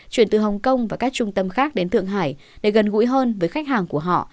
chuyển từ hồng kông và các trung tâm khác đến thượng hải để gần gũi hơn với khách hàng của họ